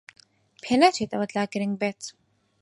پێناچێت ئەوەت لا گرنگ بێت.